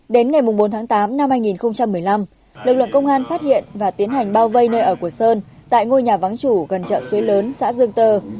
đến ngày bốn tháng tám năm hai nghìn một mươi năm lực lượng công an phát hiện và tiến hành bao vây nơi ở của sơn tại ngôi nhà vắng chủ gần chợ xuế lớn xã dương tơ